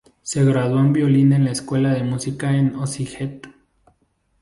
Se graduó en violín en la Escuela de Música en Osijek.